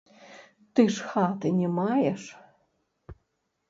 Ты ж хаты не маеш.